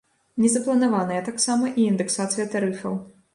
Не запланаваная таксама і індэксацыя тарыфаў.